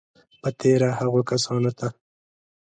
په تېره هغو کسانو ته